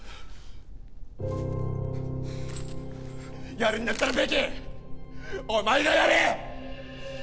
やるんだったらベキお前がやれ！